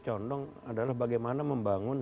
condong adalah bagaimana membangun